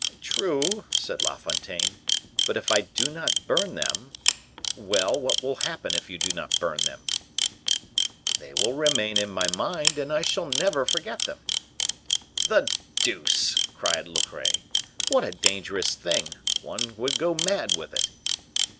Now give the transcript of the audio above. "True," said La Fontaine; "but if I do not burn them " "Well, what will happen if you do not burn them?" "They will remain in my mind, and I shall never forget them!" "The deuce!" cried Loret; "what a dangerous thing! One would go mad with it!"